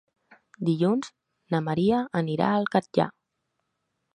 Dilluns na Maria anirà al Catllar.